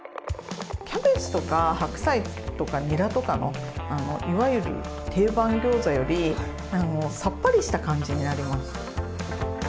キャベツとか白菜とかニラとかのいわゆる定番ギョーザよりさっぱりした感じになります。